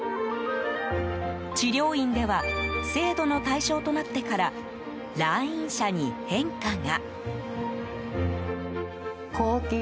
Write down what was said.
治療院では制度の対象となってから来院者に変化が。